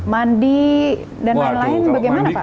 mandi dan lain lain bagaimana pak